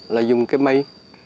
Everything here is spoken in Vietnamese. là dùng cái mây